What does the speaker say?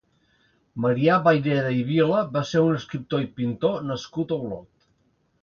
Marià Vayreda i Vila va ser un escriptor i pintor nascut a Olot.